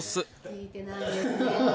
聞いてないよね。